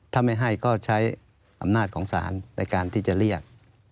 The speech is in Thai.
ถ้าไม่ให้ก็ใช้อำนาจของศาลในการที่จะเรียก